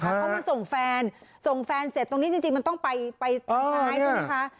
เขามาส่งแฟนส่งแฟนเสร็จตรงนี้จริงจริงมันต้องไปไปทางท้ายคุณนะคะ